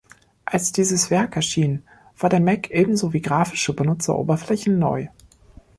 Als dieses Werk erschien, war der Mac ebenso wie grafische Benutzeroberflächen neu.